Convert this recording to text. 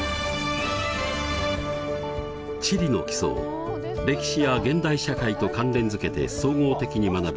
地理の基礎を歴史や現代社会と関連づけて総合的に学ぶ